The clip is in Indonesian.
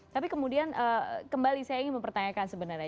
tapi kemudian kembali saya ingin mempertanyakan sebenarnya